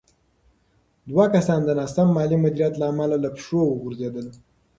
دوه کسان د ناسم مالي مدیریت له امله له پښو وغورځېدل.